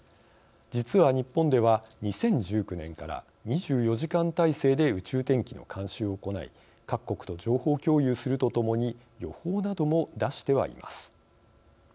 実は日本では２０１９年から２４時間体制で宇宙天気の監視を行い各国と情報共有するとともに予報なども出してはいます。